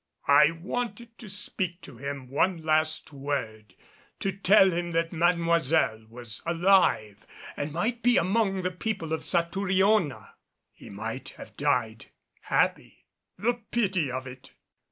I wanted to speak to him one last word to tell him that Mademoiselle was alive and might be among the people of Satouriona; he might have died happy. The pity of it!